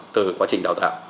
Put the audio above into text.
từ quá trình đào tạo